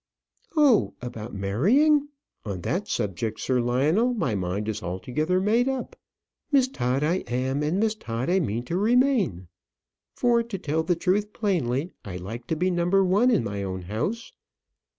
"Oh! about marrying. On that subject, Sir Lionel, my mind is altogether made up. Miss Todd I am, and Miss Todd I mean to remain. To tell the truth plainly, I like to be number one in my own house.